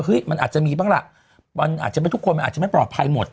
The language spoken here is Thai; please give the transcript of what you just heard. มันอาจจะมีบ้างล่ะมันอาจจะไม่ทุกคนมันอาจจะไม่ปลอดภัยหมด